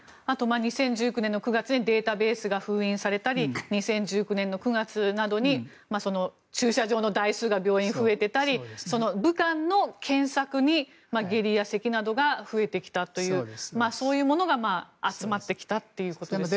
２０１９年の９月にデータベースが封印されたり２０１９年の９月などに駐車場の台数が病院に増えてたり、武漢の検索に下痢やせきなどが増えてきたというそういうものが集まってきたということですね。